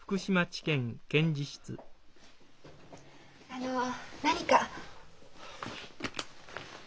あの何か？